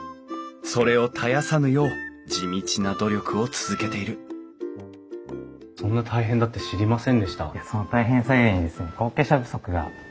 それを絶やさぬよう地道な努力を続けているそんな大変だって知りませんでした。